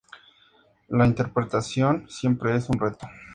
La interpretación siempre es un reto.